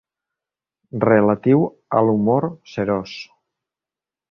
Relatiu a l'humor serós.